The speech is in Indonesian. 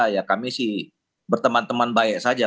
dua tiga ya kami sih berteman teman baik saja